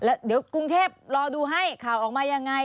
เดี๋ยวกรุงเทพรอดูให้ข่าวออกมายังไง